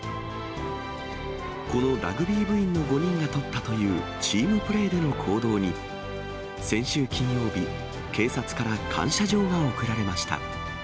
このラグビー部員の５人が取ったというチームプレーでの行動に、先週金曜日、警察から感謝状が贈られました。